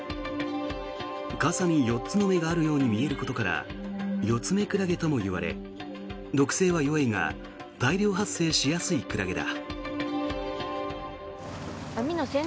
傘に４つの目があるように見えることからヨツメクラゲともいわれ毒性は弱いが大量発生しやすいクラゲだ。